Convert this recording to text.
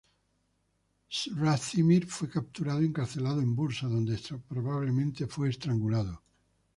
Sracimir fue capturado y encarcelado en Bursa donde probablemente fue estrangulado.